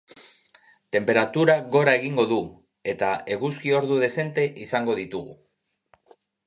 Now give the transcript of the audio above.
Tenperaturak gora egingo du, eta eguzki ordu dezente izango ditugu.